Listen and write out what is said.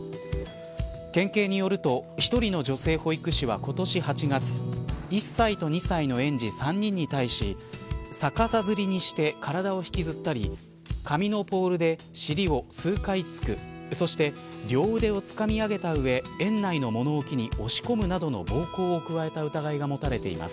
県警によると１人の女性保育士は今年８月１歳と２歳の園児３人に対し逆さづりにして体を引きずったり紙のポールで尻を数回突くそして、両腕をつかみあげた上園内の物置に押し込むなどの暴行を加えた疑いが持たれています。